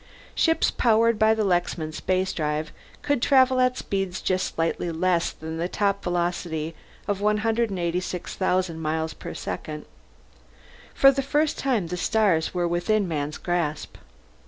Ships powered by the Lexman Spacedrive could travel at speeds just slightly less than the top velocity of 186,000 miles per second. For the first time, the stars were within man's grasp.